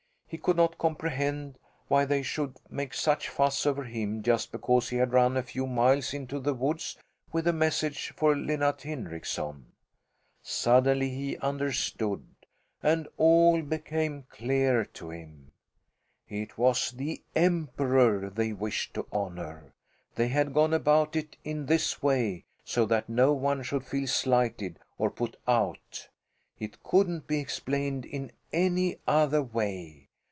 He could not comprehend why they should make such fuss over him just because he had run a few miles into the woods with a message for Linnart Hindrickson. Suddenly he understood, and all became clear to him: it was the Emperor they wished to honour; they had gone about it in this way so that no one should feel slighted or put out. It couldn't be explained in any other way.